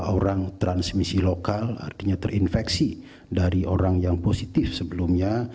orang transmisi lokal artinya terinfeksi dari orang yang positif sebelumnya